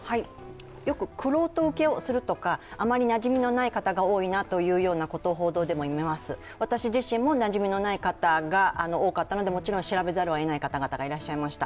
よく玄人受けをするとか、あまりなじみのない方が多いなというのを報道でも読めます、私自身もなじみのない方が多かったのでもちろん調べざるをえない方々がいらっしゃいました。